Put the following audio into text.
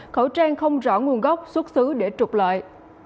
khẩu trang không rõ nguồn gốc xuất xứ để trục lợi